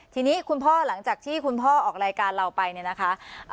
ทีนี้คุณพ่อหลังจากที่คุณพ่อออกรายการเราไปเนี่ยนะคะ